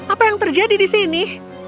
apa yang terjadi di sini